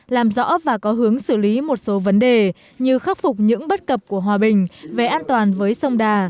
làm rõ và có hướng xử lý một số vấn đề như khắc phục những bất cập của hòa bình về an toàn với sông đà